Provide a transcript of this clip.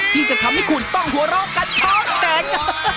ที่จะทำให้คุณต้องหัวเราะกันท้องแตก